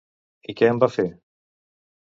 I què en va fer?